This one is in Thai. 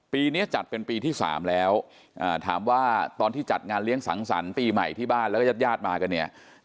นี้จัดเป็นปีที่๓แล้วถามว่าตอนที่จัดงานเลี้ยงสังสรรค์ปีใหม่ที่บ้านแล้วก็ญาติญาติมากันเนี่ย